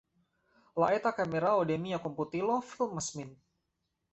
La eta kamerao de mia komputilo filmas min.